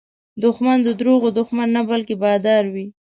دښمن د دروغو دښمن نه، بلکې بادار وي